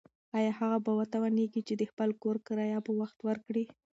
ایا هغه به وتوانیږي چې د خپل کور کرایه په وخت ورکړي؟